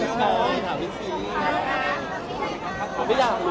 สวัสดีครับ